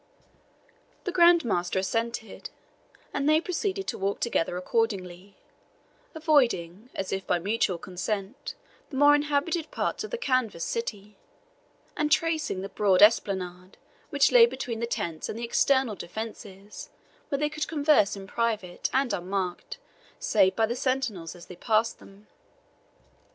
The Grand Master assented, and they proceeded to walk together accordingly, avoiding, as if by mutual consent, the more inhabited parts of the canvas city, and tracing the broad esplanade which lay between the tents and the external defences, where they could converse in private, and unmarked, save by the sentinels as they passed them.